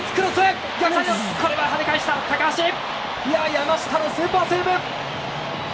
山下のスーパーセーブ！